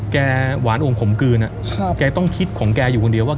แกหวานองคมกลืนอ่ะครับแกต้องคิดของแกอยู่คนเดียวว่า